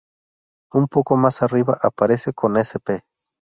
Un poco más arriba aparece con sp.